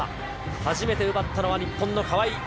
初めて奪ったのは日本の川井。